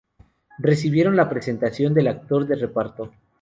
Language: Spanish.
Recibieron la presentación del actor de reparto.